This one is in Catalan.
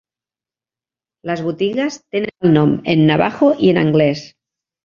Les botigues tenen el nom en navajo i en anglès.